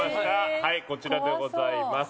はいこちらでございます。